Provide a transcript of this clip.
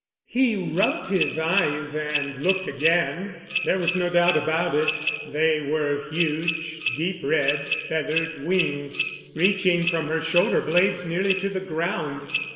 He rubbed his eyes and looked again. There was no doubt about it they were huge, deep red feathered wings, reaching from her shoulder blades nearly to the ground.